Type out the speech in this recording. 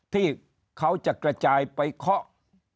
ที่เขาจะกระจายไปเคาะ